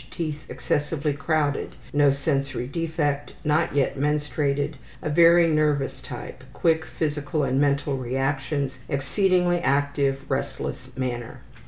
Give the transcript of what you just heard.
Teeth excessively crowded. No sensory defect. Not yet menstruated. A very nervous type; quick physical and mental reactions; exceedingly active, restless manner.